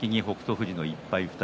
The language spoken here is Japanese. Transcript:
富士の１敗２人。